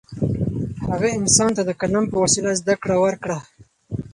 هغه انسان ته د قلم په وسیله زده کړه ورکړه.